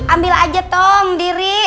ambil aja tong diri